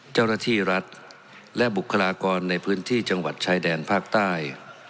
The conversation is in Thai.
เจ้าหน้าที่รัฐและบุคลากรในพื้นที่จังหวัดชายแดนภาคใต้